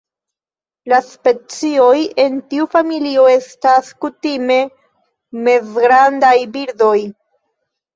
La specioj en tiu familio estas kutime mezgrandaj birdoj.